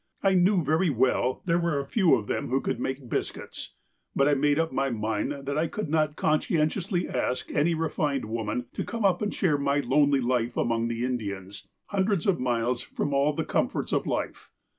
I knew very well there were a few of them who could make biscuits. But I made up my mind that I could not con scientiously ask any refined woman to come up and share my lonely life among the Indians, hundreds of miles from all the comforts of life.